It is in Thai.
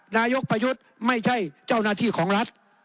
นายกประยุทธ์ไม่ใช่เจ้าหน้าที่ของรัฐ